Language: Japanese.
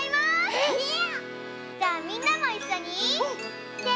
じゃあみんなもいっしょにせの。